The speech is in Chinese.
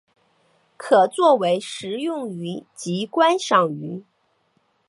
可做为食用鱼及观赏鱼。